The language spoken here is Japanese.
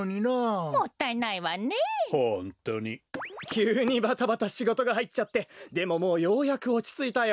きゅうにバタバタしごとがはいっちゃってでももうようやくおちついたよ。